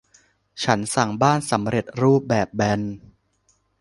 ฉันสั่งบ้านสำเร็จรูปแบบแบน